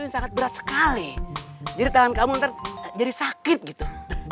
sangat berat sekali jadi tangan kamu terjadi sakit gitu